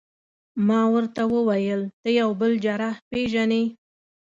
ما ورته وویل: ته یو بل جراح پېژنې؟